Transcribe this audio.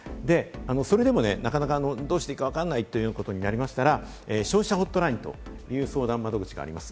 それでも、なかなかどうしていいかわからないということになりましたら、消費者ホットラインという相談窓口があります。